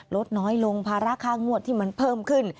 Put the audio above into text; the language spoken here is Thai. ลดน้อยลงภาระค่างวดที่มันเพิ่มขึ้น